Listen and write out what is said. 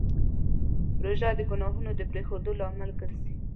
روژه د ګناهونو د پرېښودو لامل ګرځي.